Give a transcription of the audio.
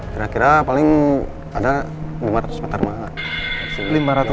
kira kira paling ada lima ratus meter mbak